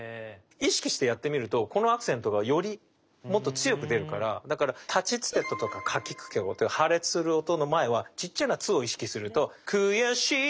意識してやってみるとこのアクセントがよりもっと強く出るからだから「たちつてと」とか「かきくけこ」っていう破裂する音の前はちっちゃな「っ」を意識するとくぅやしい